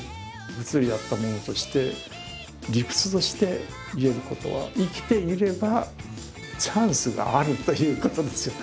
物理やった者として理屈として言えることは生きていればチャンスがあるということですよ